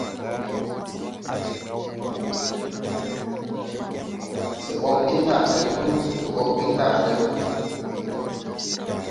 Se ɓoʼ ɓil ndar se tuu, se ɓoʼ ɓil ndar se tuu.